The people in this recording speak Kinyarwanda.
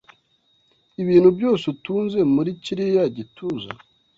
Ibintu byose utunze muri kiriya gituza?